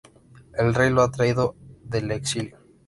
El rey lo ha traído del exilio.